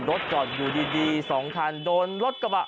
รถจอดอยู่ดี๒คันโดนรถกระบะ